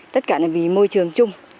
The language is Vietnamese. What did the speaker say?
tất cả là vì môi trường